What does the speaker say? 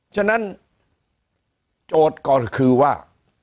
ฉะนั้นโจทย์ก็คือว่า